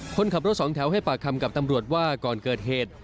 คนขับรถสองแถวให้ปากคำกับตำรวจว่าก่อนเกิดเหตุ